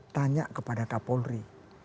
tanya kepada kak polri